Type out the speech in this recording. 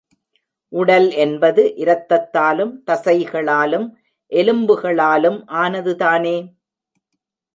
உடல் என்பது இரத்தத்தாலும் தசைகளாலும் எலும்புகளாலும் ஆனதுதானே?